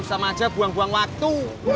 sama aja buang buang waktu